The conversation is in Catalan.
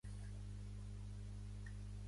Es parlaven al delta del Rio Grande.